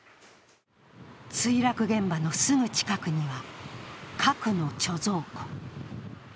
墜落現場のすぐ近くには核の貯蔵庫。